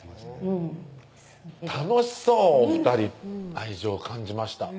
うん楽しそうお２人愛情感じました